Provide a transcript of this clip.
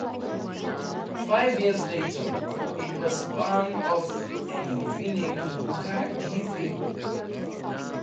Five years later, it was spun off and renamed Buca di Beppo.